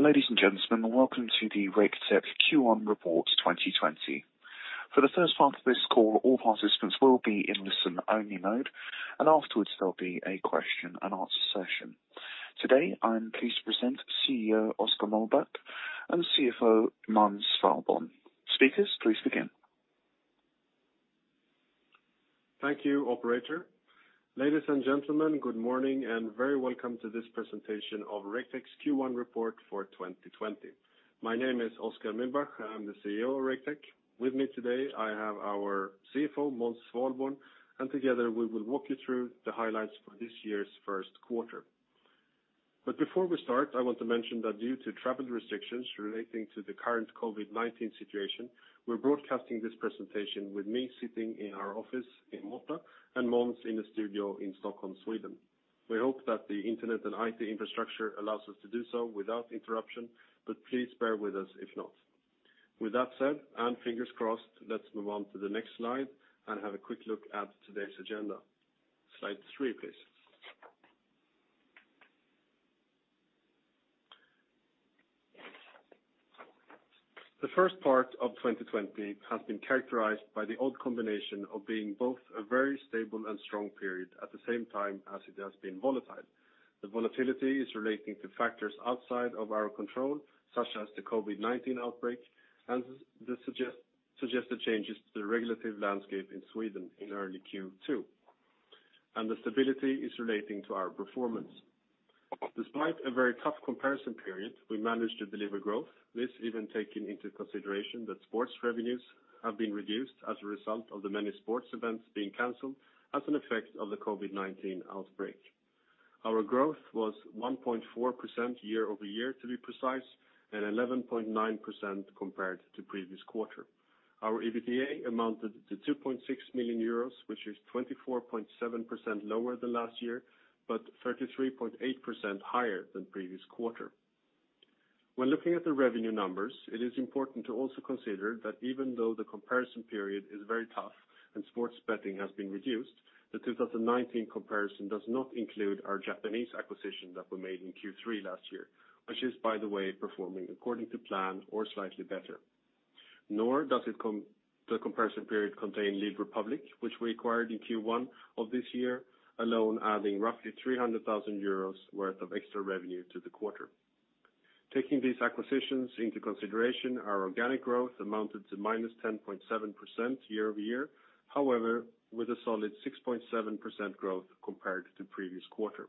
Ladies and gentlemen, welcome to the Raketech Q1 Report 2020. For the first part of this call, all participants will be in listen-only mode, and afterwards there'll be a question-and-answer session. Today, I'm pleased to present CEO Oskar Mühlbach and CFO Måns Svalborn. Speakers, please begin. Thank you, Operator. Ladies and gentlemen, good morning and very welcome to this presentation of Raketech's Q1 Report for 2020. My name is Oskar Mühlbach, I'm the CEO of Raketech. With me today, I have our CFO, Måns Svalborn, and together we will walk you through the highlights for this year's first quarter. But before we start, I want to mention that due to travel restrictions relating to the current COVID-19 situation, we're broadcasting this presentation with me sitting in our office in Malmö and Måns in a studio in Stockholm, Sweden. We hope that the internet and IT infrastructure allows us to do so without interruption, but please bear with us if not. With that said, and fingers crossed, let's move on to the next slide and have a quick look at today's agenda. Slide three, please. The first part of 2020 has been characterized by the odd combination of being both a very stable and strong period at the same time as it has been volatile. The volatility is relating to factors outside of our control, such as the COVID-19 outbreak and the suggested changes to the regulatory landscape in Sweden in early Q2, and the stability is relating to our performance. Despite a very tough comparison period, we managed to deliver growth, this even taking into consideration that sports revenues have been reduced as a result of the many sports events being canceled as an effect of the COVID-19 outbreak. Our growth was 1.4% year-over-year, to be precise, and 11.9% compared to the previous quarter. Our EBITDA amounted to 2.6 million euros, which is 24.7% lower than last year, but 33.8% higher than the previous quarter. When looking at the revenue numbers, it is important to also consider that even though the comparison period is very tough and sports betting has been reduced, the 2019 comparison does not include our Japanese acquisition that we made in Q3 last year, which is, by the way, performing according to plan or slightly better. Nor does the comparison period contain the Lead Republik, which we acquired in Q1 of this year, alone adding roughly 300,000 euros worth of extra revenue to the quarter. Taking these acquisitions into consideration, our organic growth amounted to minus 10.7% year-over-year. However, with a solid 6.7% growth compared to the previous quarter.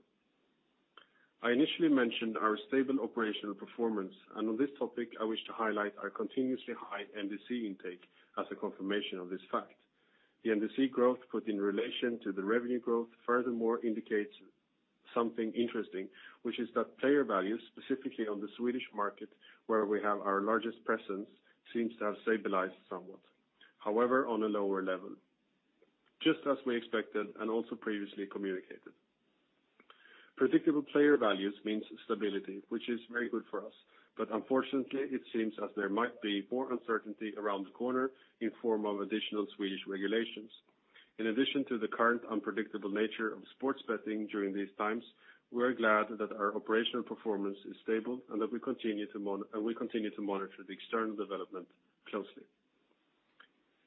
I initially mentioned our stable operational performance, and on this topic, I wish to highlight our continuously high NDC intake as a confirmation of this fact. The NDC growth put in relation to the revenue growth furthermore indicates something interesting, which is that player values, specifically on the Swedish market where we have our largest presence, seem to have stabilized somewhat. However, on a lower level, just as we expected and also previously communicated. Predictable player values mean stability, which is very good for us, but unfortunately, it seems as there might be more uncertainty around the corner in the form of additional Swedish regulations. In addition to the current unpredictable nature of sports betting during these times, we're glad that our operational performance is stable and that we continue to monitor the external development closely.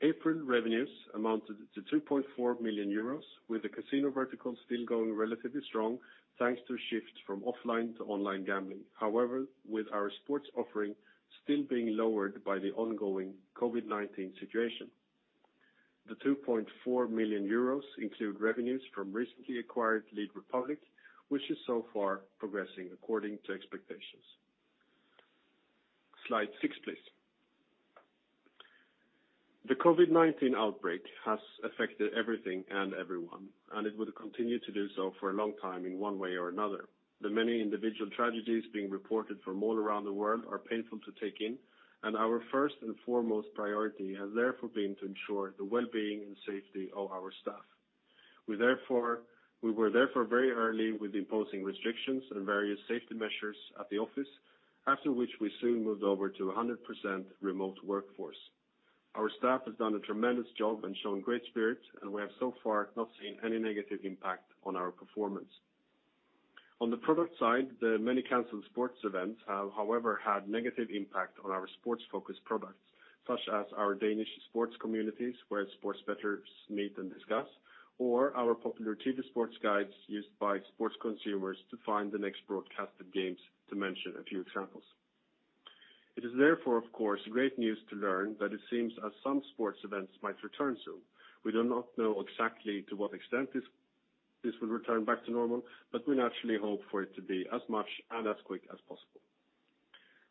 April revenues amounted to 2.4 million euros, with the casino vertical still going relatively strong thanks to a shift from offline to online gambling. However, with our sports offering still being lowered by the ongoing COVID-19 situation. The 2.4 million euros include revenues from recently acquired Lead Republik, which is so far progressing according to expectations. Slide six, please. The COVID-19 outbreak has affected everything and everyone, and it will continue to do so for a long time in one way or another. The many individual tragedies being reported from all around the world are painful to take in, and our first and foremost priority has therefore been to ensure the well-being and safety of our staff. We were therefore very early with imposing restrictions and various safety measures at the office, after which we soon moved over to a 100% remote workforce. Our staff has done a tremendous job and shown great spirit, and we have so far not seen any negative impact on our performance. On the product side, the many canceled sports events have, however, had a negative impact on our sports-focused products, such as our Danish sports communities where sports bettors meet and discuss, or our popular TV sports guides used by sports consumers to find the next broadcast of games, to mention a few examples. It is therefore, of course, great news to learn that it seems as some sports events might return soon. We do not know exactly to what extent this will return back to normal, but we naturally hope for it to be as much and as quick as possible.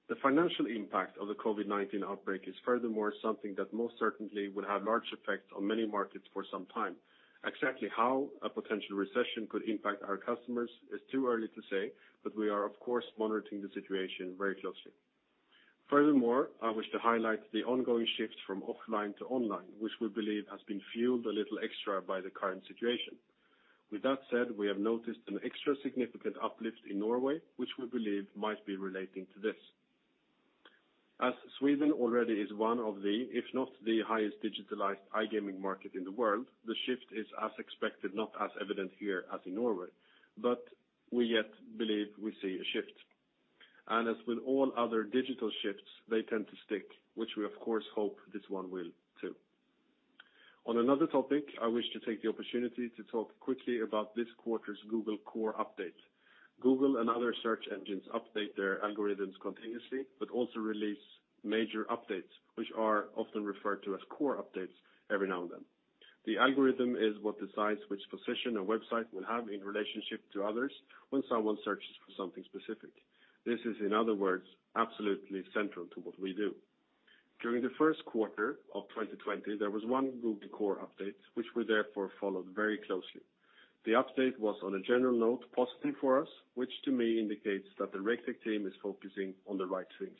The financial impact of the COVID-19 outbreak is furthermore something that most certainly will have large effects on many markets for some time. Exactly how a potential recession could impact our customers is too early to say, but we are, of course, monitoring the situation very closely. Furthermore, I wish to highlight the ongoing shift from offline to online, which we believe has been fueled a little extra by the current situation. With that said, we have noticed an extra significant uplift in Norway, which we believe might be relating to this. As Sweden already is one of the, if not the highest digitalized iGaming market in the world, the shift is, as expected, not as evident here as in Norway, but we yet believe we see a shift, and as with all other digital shifts, they tend to stick, which we, of course, hope this one will too. On another topic, I wish to take the opportunity to talk quickly about this quarter's Google Core Update. Google and other search engines update their algorithms continuously, but also release major updates, which are often referred to as core updates every now and then. The algorithm is what decides which position a website will have in relationship to others when someone searches for something specific. This is, in other words, absolutely central to what we do. During the first quarter of 2020, there was one Google Core Update, which we therefore followed very closely. The update was, on a general note, positive for us, which to me indicates that the Raketech team is focusing on the right things.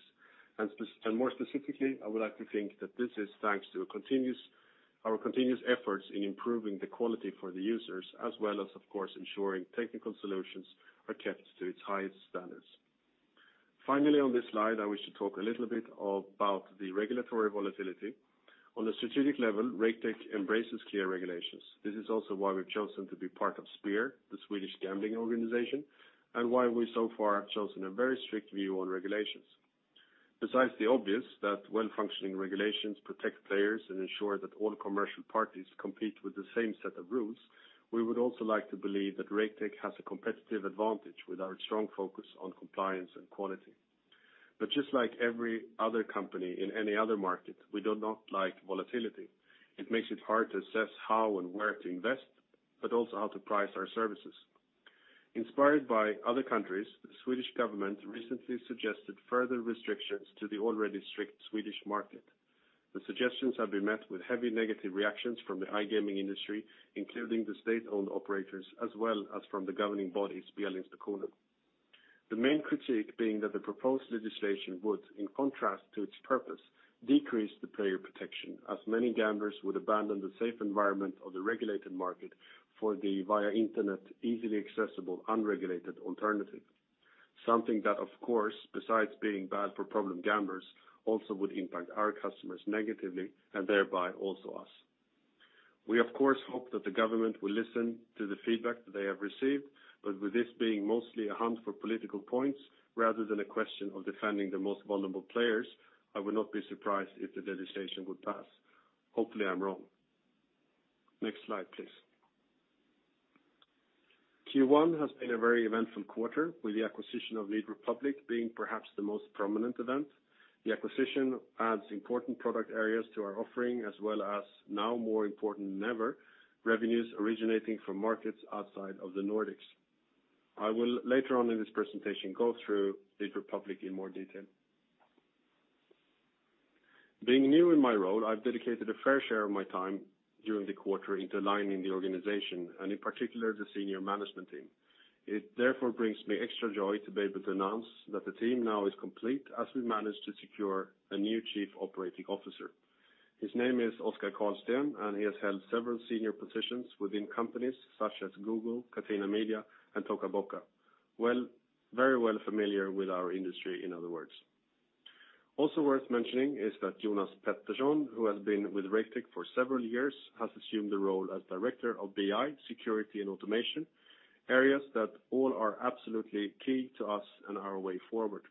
And more specifically, I would like to think that this is thanks to our continuous efforts in improving the quality for the users, as well as, of course, ensuring technical solutions are kept to its highest standards. Finally, on this slide, I wish to talk a little bit about the regulatory volatility. On a strategic level, Raketech embraces clear regulations. This is also why we've chosen to be part of SPER, the Swedish gambling organization, and why we so far have chosen a very strict view on regulations. Besides the obvious that well-functioning regulations protect players and ensure that all commercial parties compete with the same set of rules, we would also like to believe that Raketech has a competitive advantage with our strong focus on compliance and quality. But just like every other company in any other market, we do not like volatility. It makes it hard to assess how and where to invest, but also how to price our services. Inspired by other countries, the Swedish government recently suggested further restrictions to the already strict Swedish market. The suggestions have been met with heavy negative reactions from the iGaming industry, including the state-owned operators, as well as from the governing bodies. The main critique being that the proposed legislation would, in contrast to its purpose, decrease the player protection, as many gamblers would abandon the safe environment of the regulated market for the, via internet, easily accessible, unregulated alternative. Something that, of course, besides being bad for problem gamblers, also would impact our customers negatively and thereby also us. We, of course, hope that the government will listen to the feedback that they have received, but with this being mostly a hunt for political points rather than a question of defending the most vulnerable players, I would not be surprised if the legislation would pass. Hopefully, I'm wrong. Next slide, please. Q1 has been a very eventful quarter, with the acquisition of Lead Republik being perhaps the most prominent event. The acquisition adds important product areas to our offering, as well as, now more important than ever, revenues originating from markets outside of the Nordics. I will, later on in this presentation, go through Lead Republik in more detail. Being new in my role, I've dedicated a fair share of my time during the quarter into aligning the organization, and in particular, the senior management team. It therefore brings me extra joy to be able to announce that the team now is complete as we managed to secure a new Chief Operating Officer. His name is Oskar Karlsten, and he has held several senior positions within companies such as Google, Catena Media, and Toca Boca, very well familiar with our industry, in other words. Also worth mentioning is that Jonas Pettersson, who has been with Raketech for several years, has assumed the role as director of BI, security, and automation, areas that all are absolutely key to us and our way forward.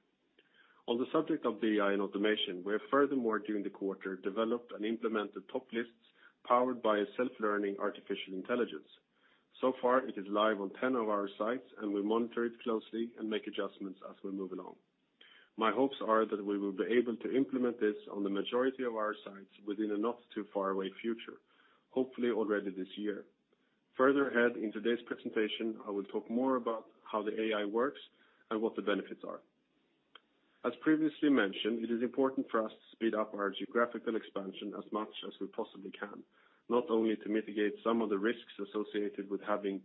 On the subject of BI and automation, we have furthermore, during the quarter, developed and implemented top lists powered by self-learning artificial intelligence. So far, it is live on 10 of our sites, and we monitor it closely and make adjustments as we move along. My hopes are that we will be able to implement this on the majority of our sites within a not-too-far-away future, hopefully already this year. Further ahead in today's presentation, I will talk more about how the AI works and what the benefits are. As previously mentioned, it is important for us to speed up our geographical expansion as much as we possibly can, not only to mitigate some of the risks associated with having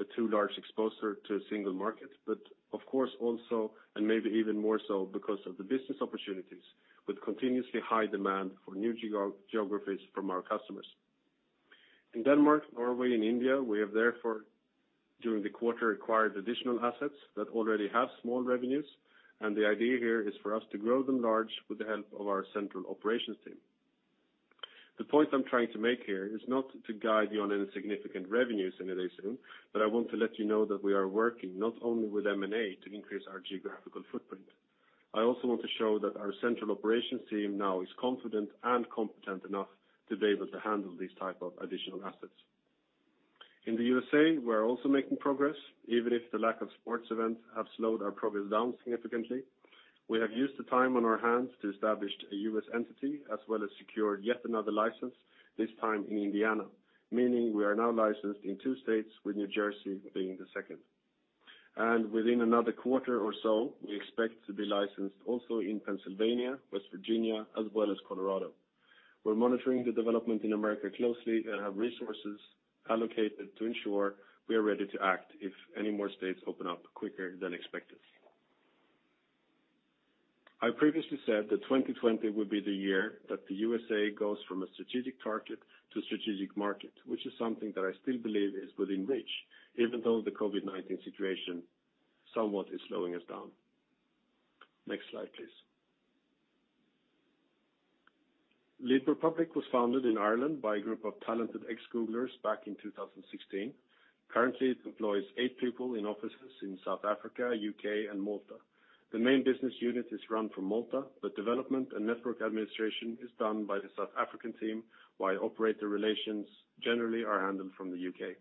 a too large exposure to a single market, but, of course, also, and maybe even more so because of the business opportunities with continuously high demand for new geographies from our customers. In Denmark, Norway, and India, we have therefore, during the quarter, acquired additional assets that already have small revenues, and the idea here is for us to grow them large with the help of our central operations team. The point I'm trying to make here is not to guide you on any significant revenues any day soon, but I want to let you know that we are working not only with M&A to increase our geographical footprint. I also want to show that our central operations team now is confident and competent enough to be able to handle these types of additional assets. In the USA, we are also making progress, even if the lack of sports events has slowed our progress down significantly. We have used the time on our hands to establish a US entity, as well as secure yet another license, this time in Indiana, meaning we are now licensed in two states, with New Jersey being the second. And within another quarter or so, we expect to be licensed also in Pennsylvania, West Virginia, as well as Colorado. We're monitoring the development in America closely and have resources allocated to ensure we are ready to act if any more states open up quicker than expected. I previously said that 2020 would be the year that the USA goes from a strategic target to a strategic market, which is something that I still believe is within reach, even though the COVID-19 situation somewhat is slowing us down. Next slide, please. Lead Republik was founded in Ireland by a group of talented ex-Googlers back in 2016. Currently, it employs eight people in offices in South Africa, U.K., and Malta. The main business unit is run from Malta, but development and network administration is done by the South African team, while operator relations generally are handled from the U.K.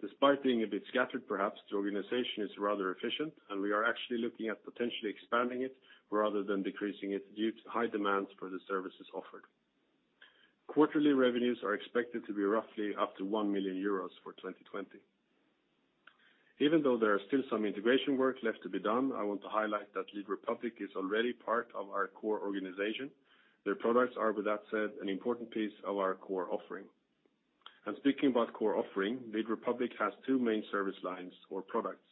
Despite being a bit scattered, perhaps, the organization is rather efficient, and we are actually looking at potentially expanding it rather than decreasing it due to high demand for the services offered. Quarterly revenues are expected to be roughly up to 1 million euros for 2020. Even though there is still some integration work left to be done, I want to highlight that Lead Republik is already part of our core organization. Their products are, with that said, an important piece of our core offering. And speaking about core offering, Lead Republik has two main service lines or products.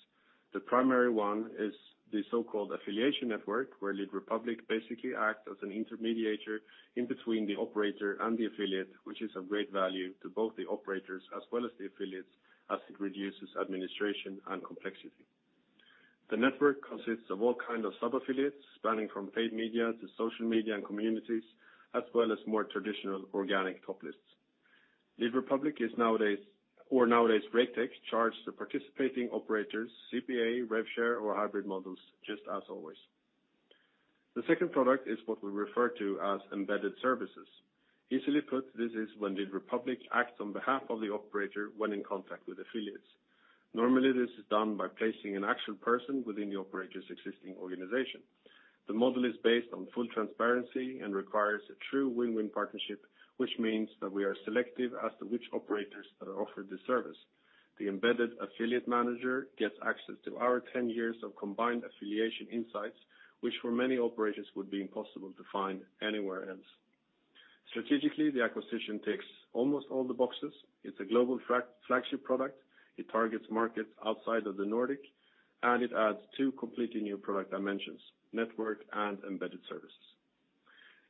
The primary one is the so-called affiliation network, where Lead Republik basically acts as an intermediator in between the operator and the affiliate, which is of great value to both the operators as well as the affiliates as it reduces administration and complexity. The Network consists of all kinds of sub-affiliates spanning from paid media to social media and communities, as well as more traditional organic top lists. Lead Republik is nowadays Raketech charged to participating operators CPA, RevShare, or hybrid models, just as always. The second product is what we refer to as Embedded Services. Easily put, this is when Lead Republik acts on behalf of the operator when in contact with affiliates. Normally, this is done by placing an actual person within the operator's existing organization. The model is based on full transparency and requires a true win-win partnership, which means that we are selective as to which operators that are offered this service. The embedded affiliate manager gets access to our 10 years of combined affiliation insights, which for many operators would be impossible to find anywhere else. Strategically, the acquisition ticks almost all the boxes. It's a global flagship product. It targets markets outside of the Nordics, and it adds two completely new product dimensions: Network and Embedded Services.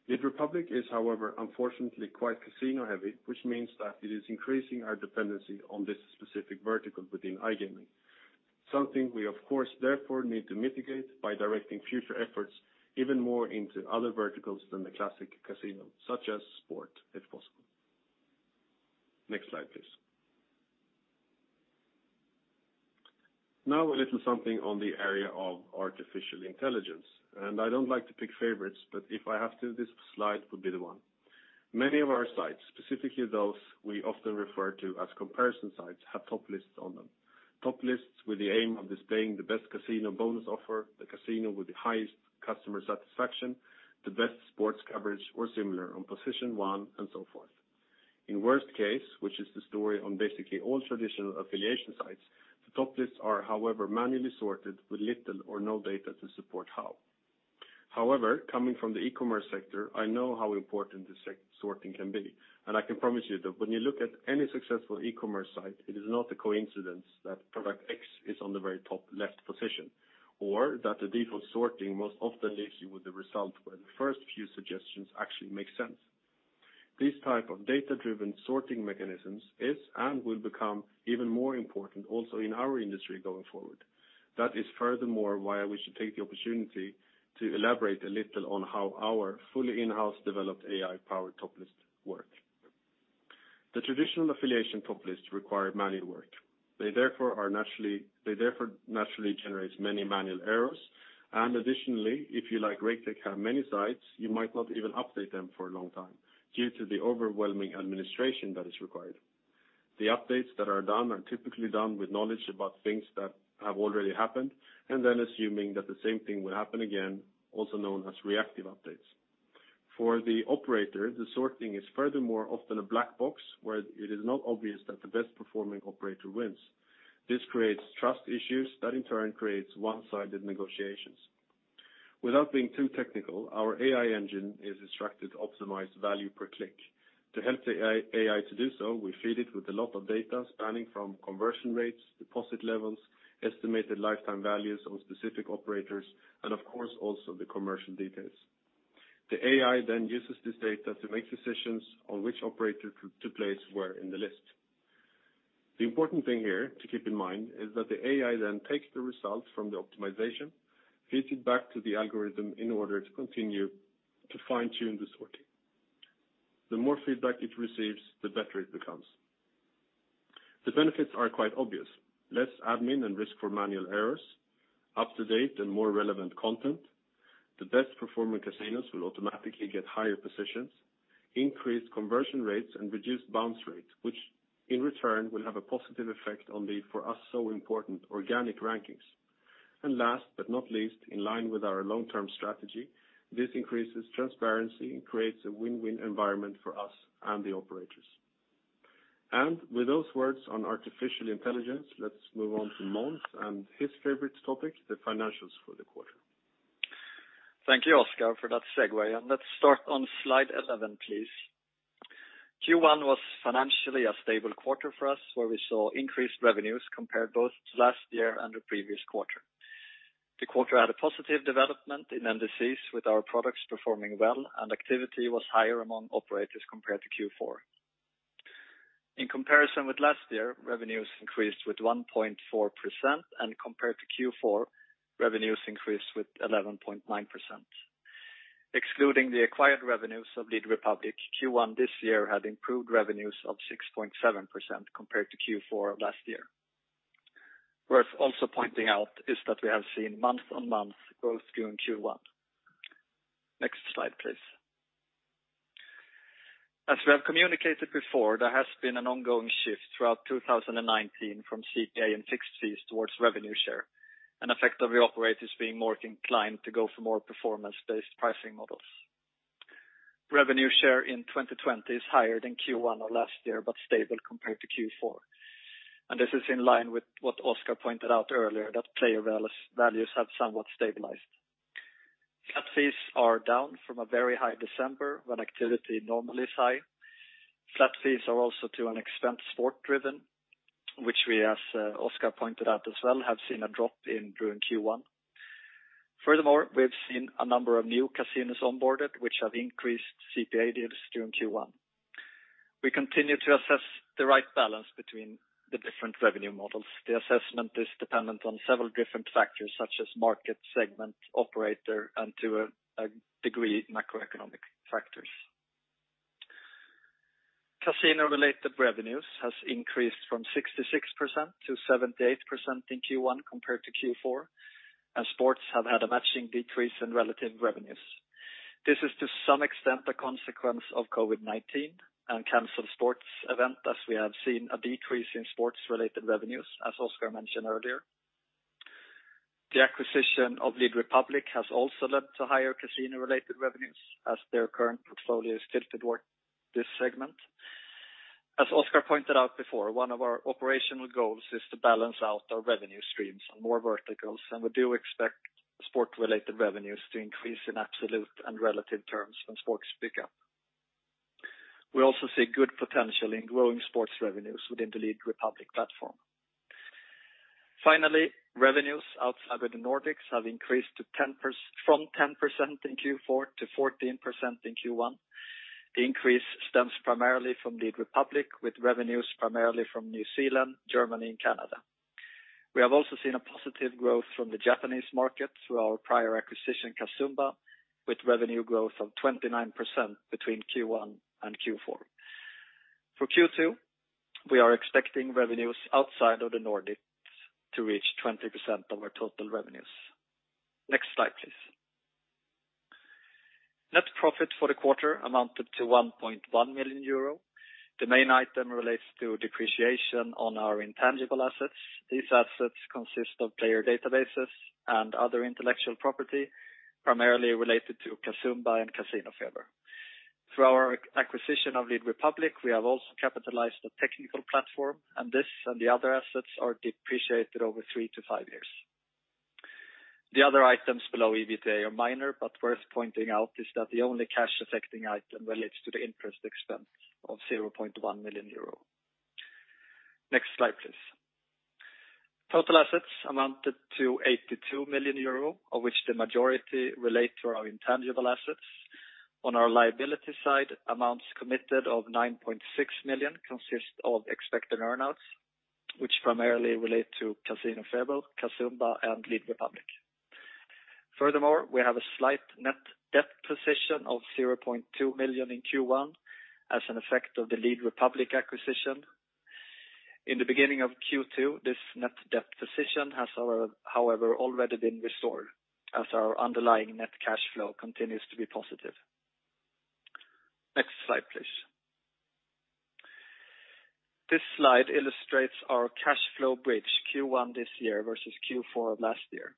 Lead Republik is, however, unfortunately quite casino-heavy, which means that it is increasing our dependency on this specific vertical within iGaming, something we, of course, therefore need to mitigate by directing future efforts even more into other verticals than the classic casino, such as sport, if possible. Next slide, please. Now, a little something on the area of artificial intelligence. And I don't like to pick favorites, but if I have to, this slide would be the one. Many of our sites, specifically those we often refer to as comparison sites, have top lists on them. Top lists with the aim of displaying the best casino bonus offer, the casino with the highest customer satisfaction, the best sports coverage, or similar on position one, and so forth. In worst case, which is the story on basically all traditional affiliation sites, the top lists are, however, manually sorted with little or no data to support how. However, coming from the e-commerce sector, I know how important this sorting can be. And I can promise you that when you look at any successful e-commerce site, it is not a coincidence that product X is on the very top left position, or that the default sorting most often leaves you with the result where the first few suggestions actually make sense. This type of data-driven sorting mechanisms is and will become even more important also in our industry going forward. That is furthermore why I wish to take the opportunity to elaborate a little on how our fully in-house developed AI-powered top lists work. The traditional affiliation top lists require manual work. They therefore naturally generate many manual errors. Additionally, if you, like Raketech, have many sites, you might not even update them for a long time due to the overwhelming administration that is required. The updates that are done are typically done with knowledge about things that have already happened and then assuming that the same thing will happen again, also known as reactive updates. For the operator, the sorting is furthermore often a black box where it is not obvious that the best-performing operator wins. This creates trust issues that in turn create one-sided negotiations. Without being too technical, our AI engine is instructed to optimize value per click. To help the AI to do so, we feed it with a lot of data spanning from conversion rates, deposit levels, estimated lifetime values on specific operators, and of course, also the commercial details. The AI then uses this data to make decisions on which operator to place where in the list. The important thing here to keep in mind is that the AI then takes the result from the optimization, feeds it back to the algorithm in order to continue to fine-tune the sorting. The more feedback it receives, the better it becomes. The benefits are quite obvious: less admin and risk for manual errors, up-to-date and more relevant content, the best-performing casinos will automatically get higher positions, increased conversion rates, and reduced bounce rate, which in return will have a positive effect on the, for us, so important organic rankings. And last but not least, in line with our long-term strategy, this increases transparency and creates a win-win environment for us and the operators. And with those words on artificial intelligence, let's move on to Måns and his favorite topic, the financials for the quarter. Thank you, Oskar, for that segue. And let's start on slide 11, please. Q1 was financially a stable quarter for us, where we saw increased revenues compared both to last year and the previous quarter. The quarter had a positive development in NDCs with our products performing well, and activity was higher among operators compared to Q4. In comparison with last year, revenues increased with 1.4%, and compared to Q4, revenues increased with 11.9%. Excluding the acquired revenues of Lead Republik, Q1 this year had improved revenues of 6.7% compared to Q4 last year. Worth also pointing out is that we have seen month-on-month growth during Q1. Next slide, please. As we have communicated before, there has been an ongoing shift throughout 2019 from CPA and fixed fees towards revenue share, an effect of the operators being more inclined to go for more performance-based pricing models. Revenue share in 2020 is higher than Q1 of last year but stable compared to Q4, and this is in line with what Oskar pointed out earlier, that player values have somewhat stabilized. Flat fees are down from a very high December when activity normally is high. Flat fees are also to an extent sport-driven, which we, as Oskar pointed out as well, have seen a drop in during Q1. Furthermore, we've seen a number of new casinos onboarded, which have increased CPA deals during Q1. We continue to assess the right balance between the different revenue models. The assessment is dependent on several different factors such as market, segment, operator, and to a degree, macroeconomic factors. Casino-related revenues have increased from 66% to 78% in Q1 compared to Q4, and sports have had a matching decrease in relative revenues. This is to some extent a consequence of COVID-19 and canceled sports events, as we have seen a decrease in sports-related revenues, as Oskar mentioned earlier. The acquisition of Lead Republik has also led to higher casino-related revenues, as their current portfolio is tilted toward this segment. As Oskar pointed out before, one of our operational goals is to balance out our revenue streams on more verticals, and we do expect sport-related revenues to increase in absolute and relative terms when sports pick up. We also see good potential in growing sports revenues within the Lead Republik platform. Finally, revenues outside of the Nordics have increased from 10% in Q4 to 14% in Q1. The increase stems primarily from Lead Republik, with revenues primarily from New Zealand, Germany, and Canada. We have also seen a positive growth from the Japanese market through our prior acquisition, Casumba, with revenue growth of 29% between Q1 and Q4. For Q2, we are expecting revenues outside of the Nordics to reach 20% of our total revenues. Next slide, please. Net profit for the quarter amounted to 1.1 million euro. The main item relates to depreciation on our intangible assets. These assets consist of player databases and other intellectual property, primarily related to Casumba and CasinoFeber. Through our acquisition of Lead Republik, we have also capitalized the technical platform, and this and the other assets are depreciated over three to five years. The other items below EBITDA are minor, but worth pointing out is that the only cash-affecting item relates to the interest expense of 0.1 million euro. Next slide, please. Total assets amounted to 82 million euro, of which the majority relate to our intangible assets. On our liability side, amounts committed of 9.6 million consist of expected earnouts, which primarily relate to CasinoFeber, Casumba, and Lead Republik. Furthermore, we have a slight net debt position of 0.2 million in Q1 as an effect of the Lead Republik acquisition. In the beginning of Q2, this net debt position has, however, already been restored as our underlying net cash flow continues to be positive. Next slide, please. This slide illustrates our cash flow bridge Q1 this year versus Q4 of last year.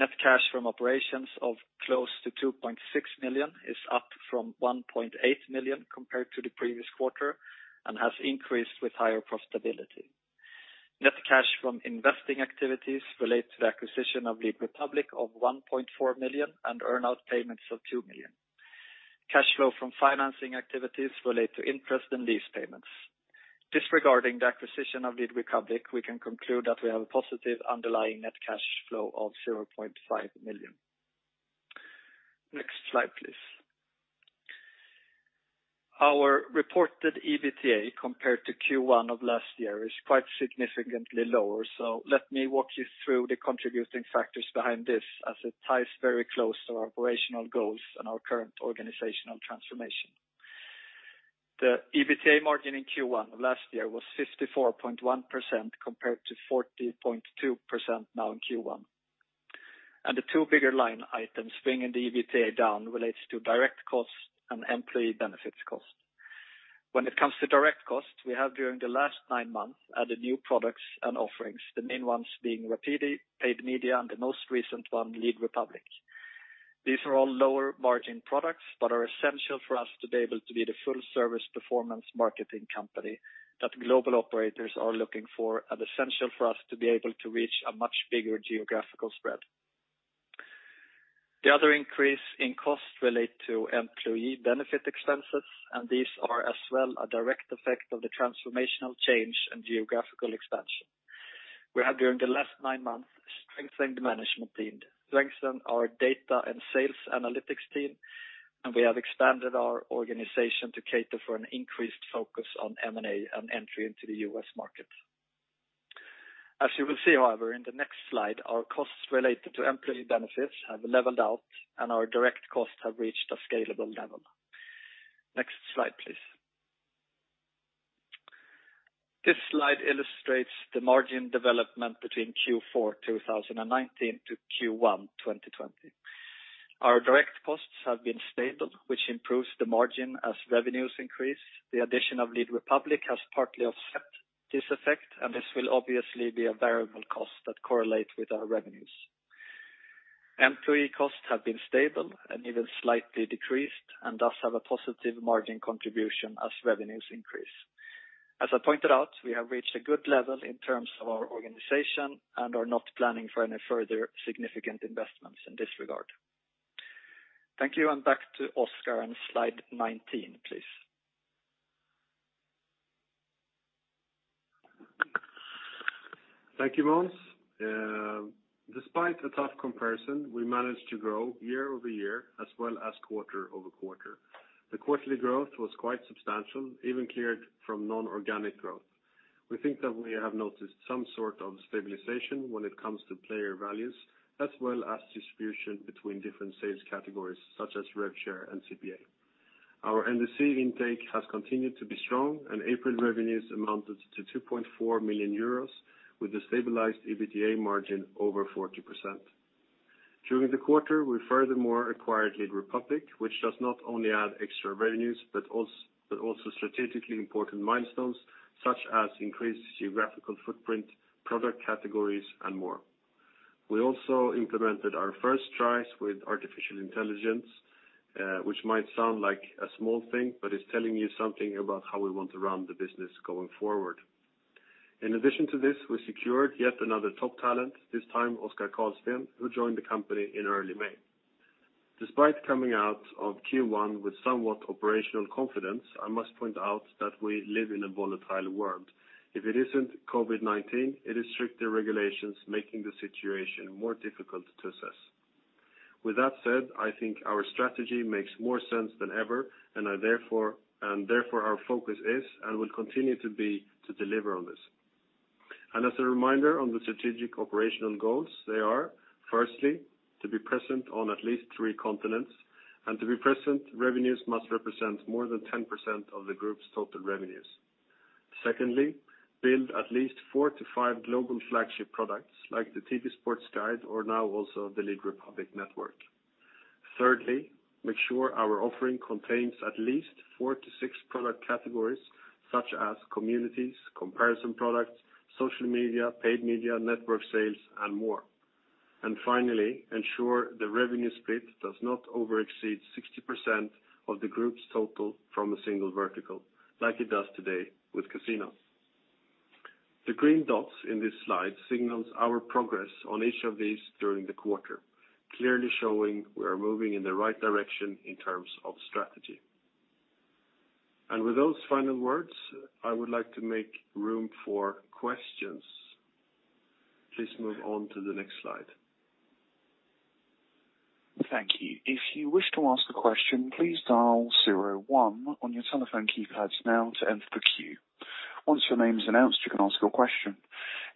Net cash from operations of close to 2.6 million is up from 1.8 million compared to the previous quarter and has increased with higher profitability. Net cash from investing activities relates to the acquisition of Lead Republik of 1.4 million and earnout payments of 2 million. Cash flow from financing activities relates to interest and lease payments. Disregarding the acquisition of Lead Republik, we can conclude that we have a positive underlying net cash flow of 0.5 million. Next slide, please. Our reported EBITDA compared to Q1 of last year is quite significantly lower, so let me walk you through the contributing factors behind this, as it ties very close to our operational goals and our current organizational transformation. The EBITDA margin in Q1 of last year was 54.1% compared to 40.2% now in Q1. The two bigger line items bringing the EBITDA down relate to direct costs and employee benefits costs. When it comes to direct costs, we have during the last nine months added new products and offerings, the main ones being Rapidi, Paid Media, and the most recent one, Lead Republik. These are all lower-margin products but are essential for us to be able to be the full-service performance marketing company that global operators are looking for and essential for us to be able to reach a much bigger geographical spread. The other increase in costs relates to employee benefit expenses, and these are as well a direct effect of the transformational change and geographical expansion. We have, during the last nine months, strengthened the management team, strengthened our data and sales analytics team, and we have expanded our organization to cater for an increased focus on M&A and entry into the U.S. market. As you will see, however, in the next slide, our costs related to employee benefits have leveled out, and our direct costs have reached a scalable level. Next slide, please. This slide illustrates the margin development between Q4 2019 to Q1 2020. Our direct costs have been stable, which improves the margin as revenues increase. The addition of Lead Republik has partly offset this effect, and this will obviously be a variable cost that correlates with our revenues. Employee costs have been stable and even slightly decreased and thus have a positive margin contribution as revenues increase. As I pointed out, we have reached a good level in terms of our organization and are not planning for any further significant investments in this regard. Thank you, and back to Oskar and slide 19, please. Thank you, Måns. Despite a tough comparison, we managed to grow year-over-year as well as quarter-over-quarter. The quarterly growth was quite substantial, even cleared from non-organic growth. We think that we have noticed some sort of stabilization when it comes to player values as well as distribution between different sales categories such as rev share and CPA. Our NDC intake has continued to be strong, and April revenues amounted to 2.4 million euros with a stabilized EBITDA margin over 40%. During the quarter, we furthermore acquired Lead Republik, which does not only add extra revenues but also strategically important milestones such as increased geographical footprint, product categories, and more. We also implemented our first tries with artificial intelligence, which might sound like a small thing but is telling you something about how we want to run the business going forward. In addition to this, we secured yet another top talent, this time Oskar Karlsten, who joined the company in early May. Despite coming out of Q1 with somewhat operational confidence, I must point out that we live in a volatile world. If it isn't COVID-19, it is stricter regulations making the situation more difficult to assess. With that said, I think our strategy makes more sense than ever, and therefore our focus is and will continue to be to deliver on this. And as a reminder on the strategic operational goals, they are, firstly, to be present on at least three continents, and to be present, revenues must represent more than 10% of the group's total revenues. Secondly, build at least four to five global flagship products like the TV Sports Guide or now also the Lead Republik Network. Thirdly, make sure our offering contains at least four to six product categories such as communities, comparison products, social media, paid media, network sales, and more. And finally, ensure the revenue split does not exceed 60% of the group's total from a single vertical, like it does today with casino. The green dots in this slide signal our progress on each of these during the quarter, clearly showing we are moving in the right direction in terms of strategy. And with those final words, I would like to make room for questions. Please move on to the next slide. Thank you. If you wish to ask a question, please dial 01 on your telephone keypad now to enter the queue. Once your name is announced, you can ask your question.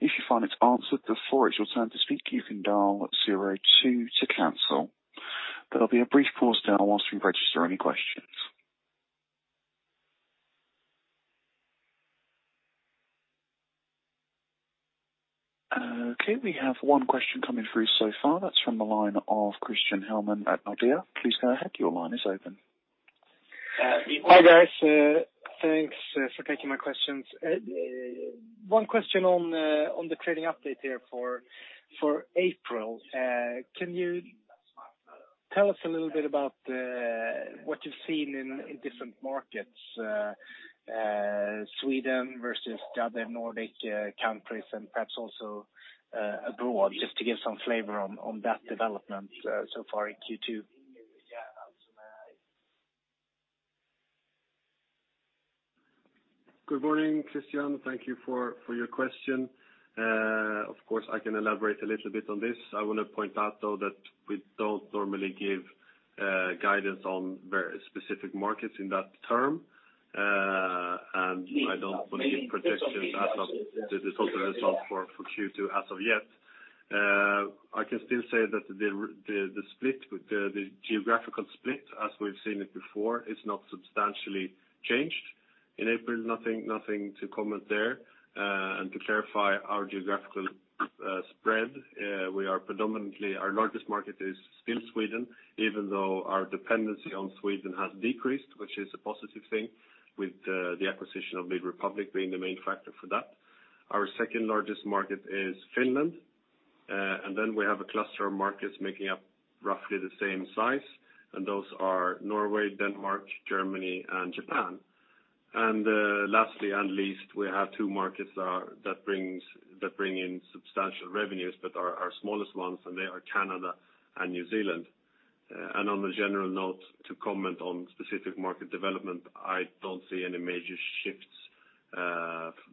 If you find it's answered before it's your turn to speak, you can dial 02 to cancel. There'll be a brief pause now while we register any questions. Okay, we have one question coming through so far. That's from the line of Christian Hellman at Nordea. Please go ahead. Your line is open. Hi guys. Thanks for taking my questions. One question on the trading update here for April. Can you tell us a little bit about what you've seen in different markets, Sweden versus the other Nordic countries and perhaps also abroad, just to give some flavor on that development so far in Q2? Good morning, Christian. Thank you for your question. Of course, I can elaborate a little bit on this. I want to point out, though, that we don't normally give guidance on very specific markets in that term, and I don't want to give predictions as of the total result for Q2 as of yet. I can still say that the geographical split, as we've seen it before, is not substantially changed in April. Nothing to comment there, and to clarify our geographical spread, our largest market is still Sweden, even though our dependency on Sweden has decreased, which is a positive thing, with the acquisition of Lead Republik being the main factor for that. Our second largest market is Finland, and then we have a cluster of markets making up roughly the same size, and those are Norway, Denmark, Germany, and Japan, and lastly and least, we have two markets that bring in substantial revenues, but our smallest ones, and they are Canada and New Zealand. On a general note, to comment on specific market development, I don't see any major shifts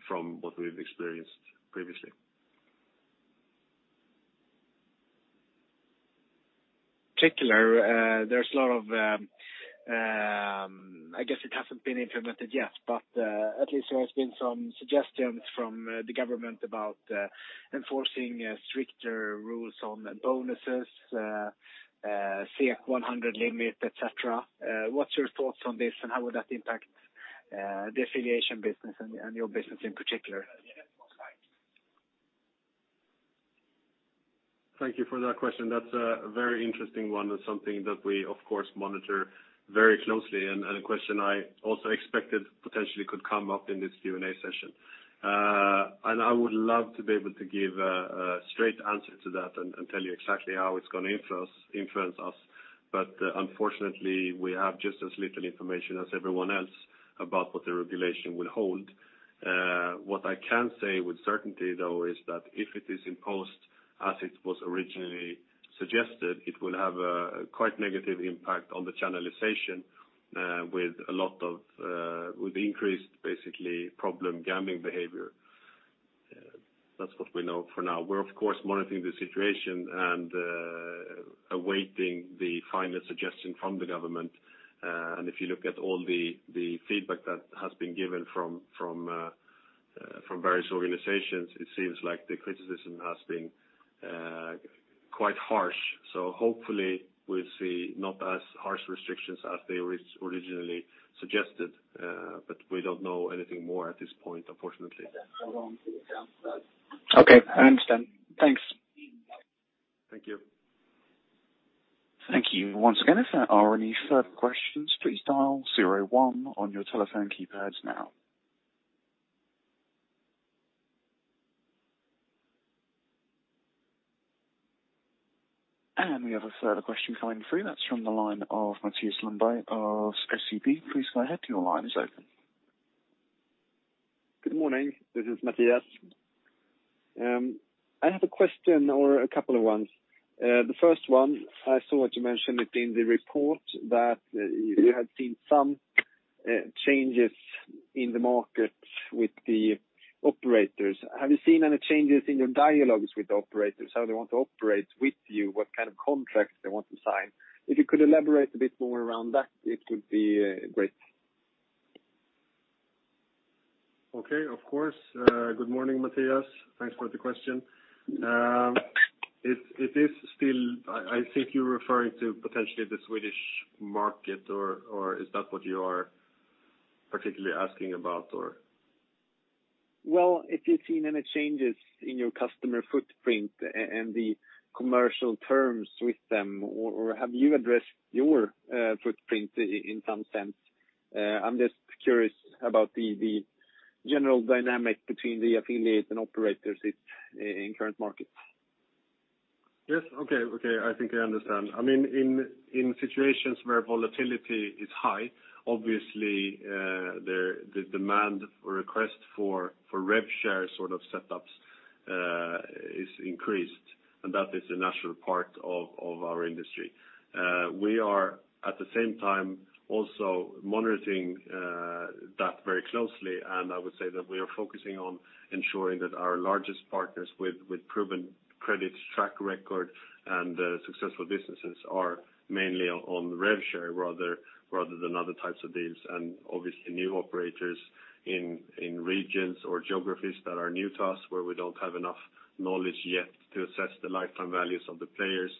from what we've experienced previously. In particular, there's a lot of, I guess it hasn't been implemented yet, but at least there have been some suggestions from the government about enforcing stricter rules on bonuses, 100 limit, etc. What's your thoughts on this, and how would that impact the affiliation business and your business in particular? Thank you for that question. That's a very interesting one and something that we, of course, monitor very closely, and a question I also expected potentially could come up in this Q&A session. And I would love to be able to give a straight answer to that and tell you exactly how it's going to influence us. But unfortunately, we have just as little information as everyone else about what the regulation will hold. What I can say with certainty, though, is that if it is imposed as it was originally suggested, it will have a quite negative impact on the channelisation with a lot of increased, basically, problem gambling behavior. That's what we know for now. We're, of course, monitoring the situation and awaiting the final suggestion from the government. And if you look at all the feedback that has been given from various organizations, it seems like the criticism has been quite harsh. So hopefully, we'll see not as harsh restrictions as they originally suggested, but we don't know anything more at this point, unfortunately. Okay, I understand. Thanks. Thank you. Thank you. Once again, if there are any further questions, please dial 01 on your telephone keypads now. And we have a further question coming through. That's from the line of Mathias Lundberg of SEB. Please go ahead. Your line is open. Good morning. This is Mathias. I have a question or a couple of ones. The first one, I saw that you mentioned it in the report that you had seen some changes in the market with the operators. Have you seen any changes in your dialogues with the operators? How they want to operate with you, what kind of contracts they want to sign? If you could elaborate a bit more around that, it would be great. Okay, of course. Good morning, Mathias. Thanks for the question. It is still, I think you're referring to potentially the Swedish market, or is that what you are particularly asking about, or? Well, if you've seen any changes in your customer footprint and the commercial terms with them, or have you addressed your footprint in some sense? I'm just curious about the general dynamic between the affiliates and operators in current markets. Yes. Okay. Okay. I think I understand. I mean, in situations where volatility is high, obviously, the demand or request for rev share sort of setups is increased, and that is a natural part of our industry. We are, at the same time, also monitoring that very closely, and I would say that we are focusing on ensuring that our largest partners with proven credit track record and successful businesses are mainly on rev share rather than other types of deals, and obviously, new operators in regions or geographies that are new to us, where we don't have enough knowledge yet to assess the lifetime values of the players,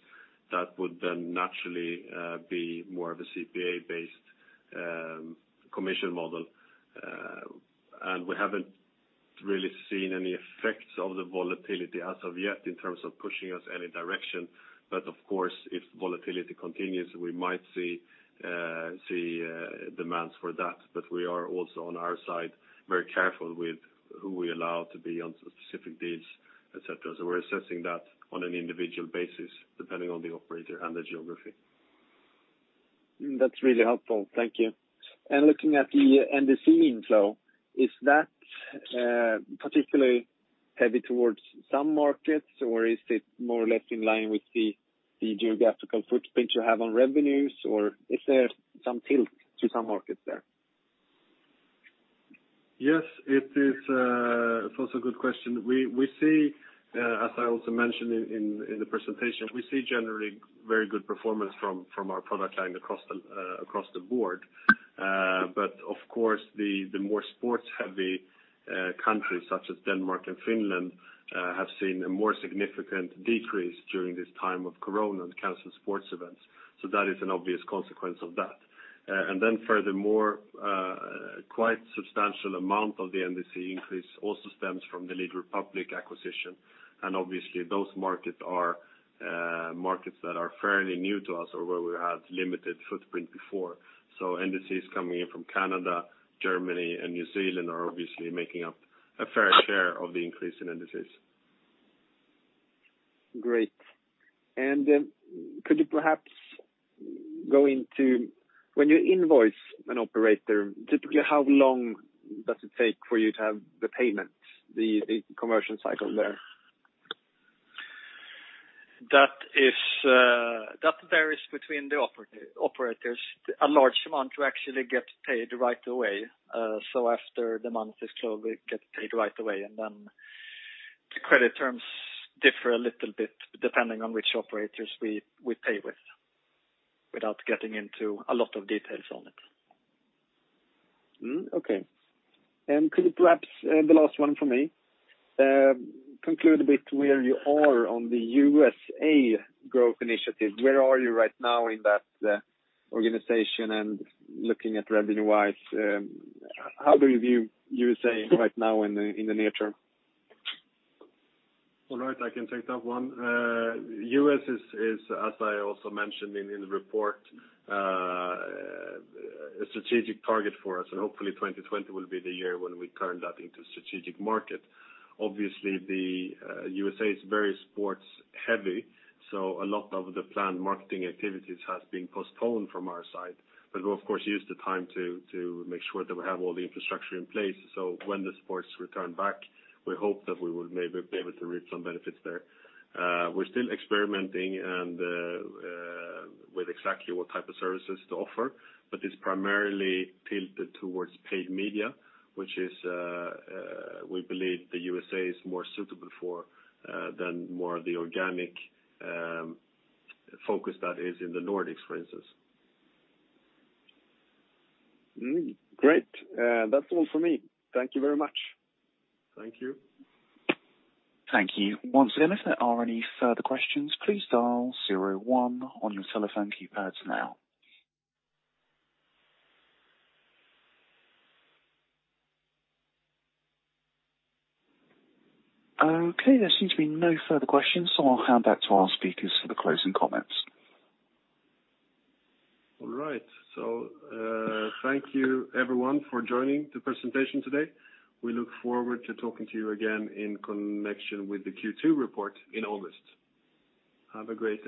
that would then naturally be more of a CPA-based commission model. And we haven't really seen any effects of the volatility as of yet in terms of pushing us any direction. But of course, if volatility continues, we might see demands for that. But we are also, on our side, very careful with who we allow to be on specific deals, etc. So we're assessing that on an individual basis, depending on the operator and the geography. That's really helpful. Thank you. And looking at the NDC inflow, is that particularly heavy towards some markets, or is it more or less in line with the geographical footprint you have on revenues, or is there some tilt to some markets there? Yes. It's also a good question. As I also mentioned in the presentation, we see generally very good performance from our product line across the board. But of course, the more sports-heavy countries such as Denmark and Finland have seen a more significant decrease during this time of Corona and canceled sports events. So that is an obvious consequence of that. And then furthermore, quite a substantial amount of the NDC increase also stems from the Lead Republik acquisition. And obviously, those markets are markets that are fairly new to us or where we had limited footprint before. So NDCs coming in from Canada, Germany, and New Zealand are obviously making up a fair share of the increase in NDCs. Great. And could you perhaps go into when you invoice an operator, typically how long does it take for you to have the payment, the conversion cycle there? That varies between the operators. A large amount to actually get paid right away. So after the month is closed, we get paid right away, and then the credit terms differ a little bit depending on which operators we pay with, without getting into a lot of details on it. Okay. And could you perhaps, the last one for me, conclude a bit where you are on the USA growth initiative? Where are you right now in that organization and looking at revenue-wise? How do you view USA right now in the near term? All right. I can take that one. US is, as I also mentioned in the report, a strategic target for us, and hopefully, 2020 will be the year when we turn that into a strategic market. Obviously, the USA is very sports-heavy, so a lot of the planned marketing activities have been postponed from our side. But we, of course, use the time to make sure that we have all the infrastructure in place. So when the sports return back, we hope that we will maybe be able to reap some benefits there. We're still experimenting with exactly what type of services to offer, but it's primarily tilted towards paid media, which we believe the USA is more suitable for than more of the organic focus that is in the Nordics, for instance. Great. That's all for me. Thank you very much. Thank you. Thank you. Once again, if there are any further questions, please dial 01 on your telephone keypads now. Okay. There seems to be no further questions, so I'll hand back to our speakers for the closing comments. All right. So thank you, everyone, for joining the presentation today. We look forward to talking to you again in connection with the Q2 report in August. Have a great.